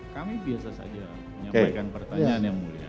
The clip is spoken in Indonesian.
kami biasa saja menyampaikan pertanyaan yang mulia